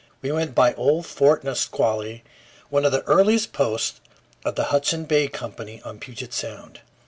We went by old Fort Nisqually, one of the earliest posts of the Hudson's Bay Company on Puget Sound.